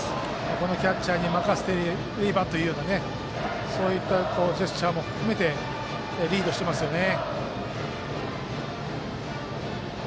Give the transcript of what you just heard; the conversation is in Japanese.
このキャッチャーに任せていればいいというそういったジェスチャーも含めてリードしてますよね。